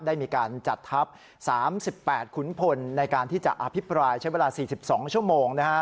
ได้มีการจัดทัพ๓๘ขุนพลในการที่จะอภิปรายใช้เวลา๔๒ชั่วโมง